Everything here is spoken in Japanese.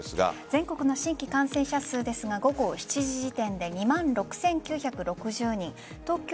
全国の新規感染者数ですが午後７時時点で２万６９６０人東京３１６１